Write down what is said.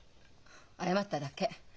謝っただけ。